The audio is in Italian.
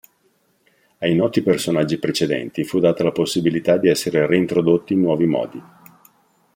Ai noti personaggi precedenti fu data la possibilità di essere reintrodotti in nuovi modi.